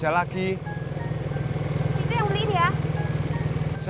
kagak lagi bikin kue kering babbe mau mesen kue